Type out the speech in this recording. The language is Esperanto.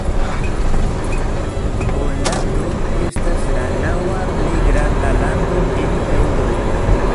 Pollando estas la naŭa plej granda lando en Eŭropo.